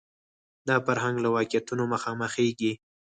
دا فرهنګ له واقعیتونو مخامخېږي